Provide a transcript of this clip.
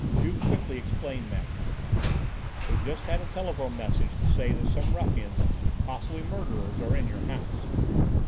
Juve quickly explained matters. "We've just had a telephone message to say that some ruffians, possibly murderers, are in your house."